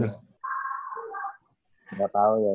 ga tau ya gue ya